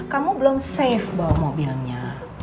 kamu belum safe bawa mobilnya